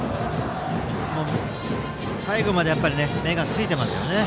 最後まで目がついていますよね。